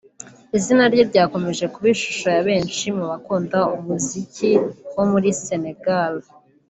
Izina rye ryakomeje kuba ishusho ya benshi mu bakunda umuziki bo muri Senegal